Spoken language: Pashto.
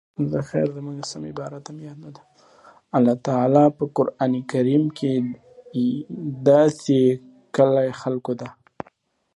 الله تعالی په قران کريم کي د يو داسي کلي خلکو